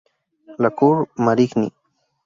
La Cour-Marigny